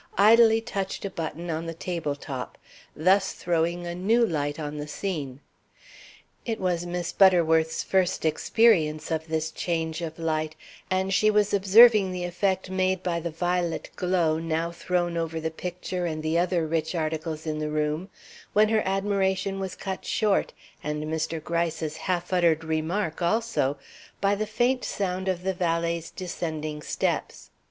idly touched a button on the table top, thus throwing a new light on the scene. It was Miss Butterworth's first experience of this change of light, and she was observing the effect made by the violet glow now thrown over the picture and the other rich articles in the room when her admiration was cut short, and Mr. Gryce's half uttered remark also, by the faint sound of the valet's descending steps.